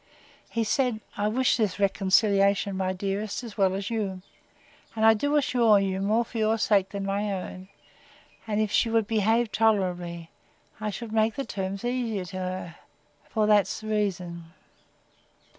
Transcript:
He said, I wish this reconciliation, my dearest, as well as you: and I do assure you, more for your sake than my own; and if she would behave tolerably, I would make the terms easier to her, for that reason.